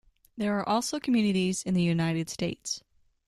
There are also communities in the United States.